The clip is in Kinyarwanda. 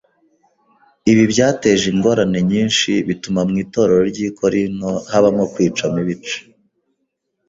Ibi byateje ingorane nyinshi bituma mu itorero ry’i Korinto habaho kwicamo ibice.